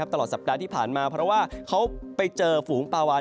ตลอดสัปดาห์ที่ผ่านมาเพราะว่าเขาไปเจอฝูงปลาวาน